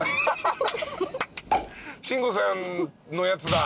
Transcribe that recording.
慎吾さんのやつだ。